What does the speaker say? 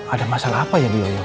ada masalah apa ya